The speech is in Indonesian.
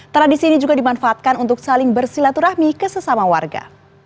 tradisi ini juga dimanfaatkan untuk saling bersilaturahmi ke sesama warga